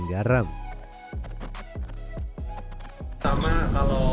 bumbu yang paling penting adalah bumbu yang berbeda dengan bumbu yang lainnya